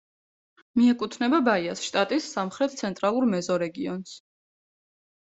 მიეკუთვნება ბაიას შტატის სამხრეთ-ცენტრალურ მეზორეგიონს.